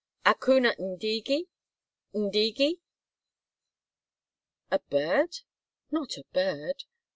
Akuna ndege? Ndege?" (A bird? Not a bird?